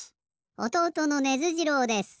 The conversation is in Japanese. おとうとのネズ次郎です。